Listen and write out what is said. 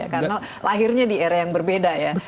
karena lahirnya di era yang berbeda ya